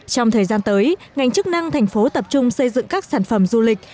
trong thời gian tới ngành chức năng thành phố tập trung xây dựng các sản phẩm du lịch